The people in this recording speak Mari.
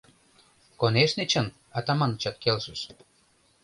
— Конешне чын, — Атаманычат келшыш.